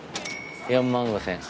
４万５，０００円。